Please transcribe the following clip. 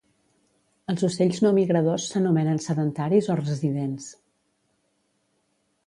Els ocells no migradors s'anomenen sedentaris o residents.